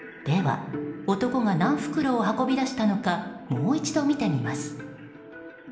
では男が何袋を運び出したのかもう一度見てみます。